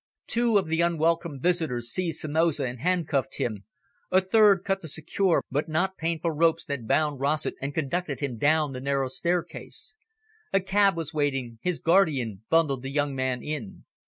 Two of the unwelcome visitors seized Somoza and handcuffed him. A third cut the secure but not painful ropes that bound Rossett, and conducted him down the narrow staircase. A cab was waiting; his guardian bundled the young man in.